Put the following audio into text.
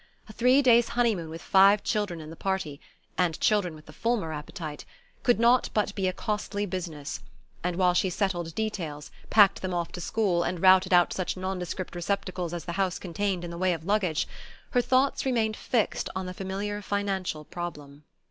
A three days' honey moon with five children in the party and children with the Fulmer appetite could not but be a costly business; and while she settled details, packed them off to school, and routed out such nondescript receptacles as the house contained in the way of luggage, her thoughts remained fixed on the familiar financial problem.